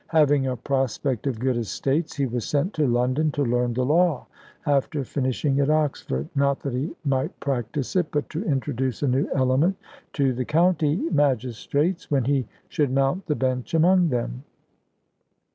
Having a prospect of good estates, he was sent to London to learn the law, after finishing at Oxford, not that he might practise it, but to introduce a new element to the county magistrates, when he should mount the bench among them.